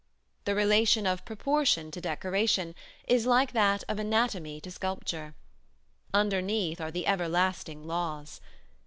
The relation of proportion to decoration is like that of anatomy to sculpture: underneath are the everlasting laws.